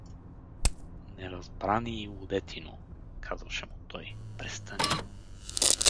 — Неразбраний лудетино — казваше му той, — престани.